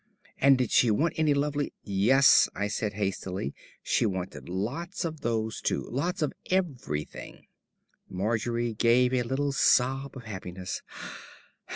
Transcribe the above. "And did she want any lovely " "Yes," I said hastily, "she wanted lots of those, too. Lots of everything." Margery gave a little sob of happiness.